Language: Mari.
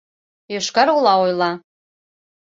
Йошкар-Ола ойла!